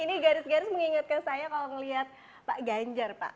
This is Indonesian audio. ini garis garis mengingatkan saya kalau melihat pak ganjar pak